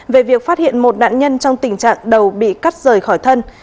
về việc phát hiện một nạn nhân trong tình trạng đầu bị cắt rời khỏi thân